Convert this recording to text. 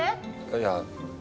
いや。